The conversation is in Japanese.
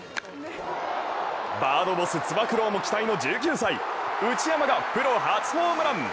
バードボスつば九郎も期待の１９歳内山がプロ初ホームラン。